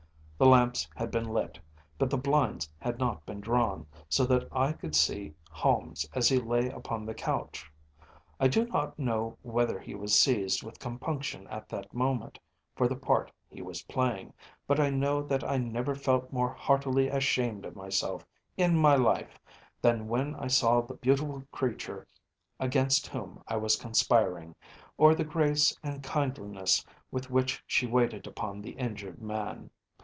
The lamps had been lit, but the blinds had not been drawn, so that I could see Holmes as he lay upon the couch. I do not know whether he was seized with compunction at that moment for the part he was playing, but I know that I never felt more heartily ashamed of myself in my life than when I saw the beautiful creature against whom I was conspiring, or the grace and kindliness with which she waited upon the injured man.